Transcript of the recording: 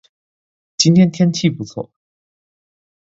今天天气不错